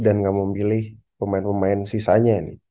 dan gak memilih pemain pemain sisanya ini